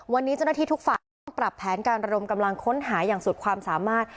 วันนี้เจ้าหน้าที่ทุกฝ่ายต้องปรับแผนการระดมกำลังค้นหาอย่างสุดความสามารถ